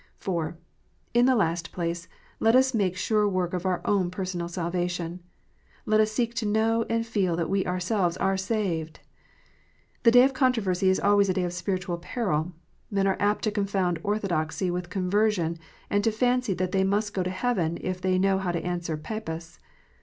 (4) In the last place, let us make sure work of our own per sonal salvation. Let us seek to know and feel that we ourselves are "saved." The day of controversy is always a day of spiritual peril. Men are apt to confound orthodoxy with conversion, and to fancy that they must go to heaven if they know how to answer Papists.